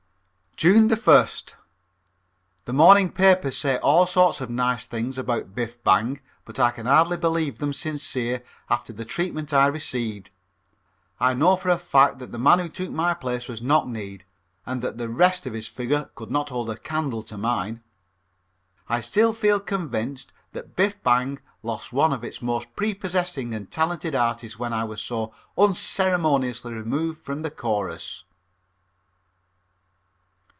June 1st. The morning papers say all sort of nice things about Biff Bang but I can hardly believe them sincere after the treatment I received. I know for a fact that the man who took my place was knock kneed and that the rest of his figure could not hold a candle to mine. I still feel convinced that Biff Bang lost one of its most prepossessing and talented artists when I was so unceremoniously removed from the chorus.